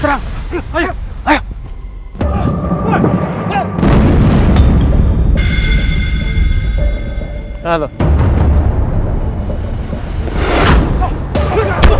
senang sekali lho